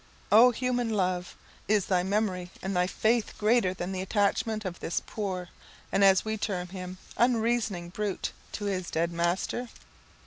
Oh, human love! is thy memory and thy faith greater than the attachment of this poor, and, as we term him, unreasoning brute, to his dead master?